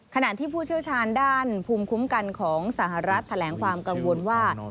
ขณะที่ผู้เชี่ยวชาญด้านภูมิคุ้มกันของสหรัฐแถลงความกังวลว่า